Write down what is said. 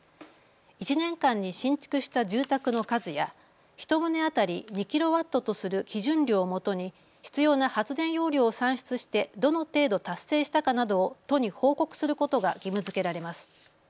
１年間に新築した住宅の数や１棟当たり２キロワットとする基準量をもとに必要な発電容量を算出してどの程度、達成したかなどを都に報告することが義務づけられます。